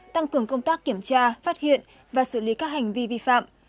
tăng cường công tác kiểm tra phát hiện và xử lý các hành vi vi phạm